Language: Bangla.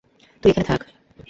তুই এখানে থাক।